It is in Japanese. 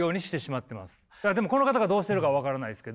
でもこの方がどうしてるか分からないですけど。